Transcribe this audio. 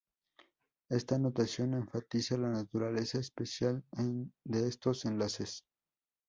Esta notación enfatiza la naturaleza especial de estos enlaces.